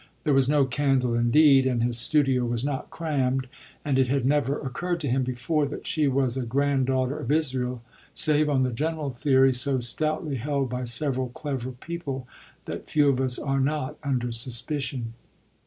There was no candle indeed and his studio was not crammed, and it had never occurred to him before that she was a grand daughter of Israel save on the general theory, so stoutly held by several clever people, that few of us are not under suspicion.